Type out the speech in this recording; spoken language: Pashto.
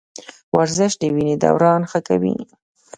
ورزش د وینې دوران ښه کوي.